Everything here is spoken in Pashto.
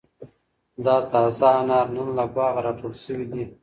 دا تازه انار نن له باغه را ټول شوي دي.